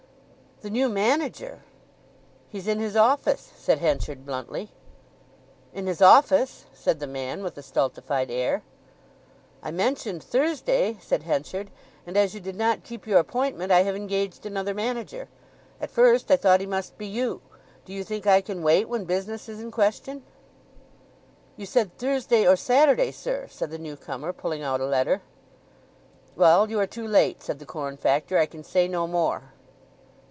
"The new manager!—he's in his office," said Henchard bluntly. "In his office!" said the man, with a stultified air. "I mentioned Thursday," said Henchard; "and as you did not keep your appointment, I have engaged another manager. At first I thought he must be you. Do you think I can wait when business is in question?" "You said Thursday or Saturday, sir," said the newcomer, pulling out a letter. "Well, you are too late," said the corn factor. "I can say no more."